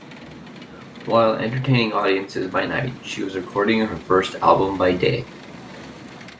While entertaining audiences by night, she was recording her first album by day.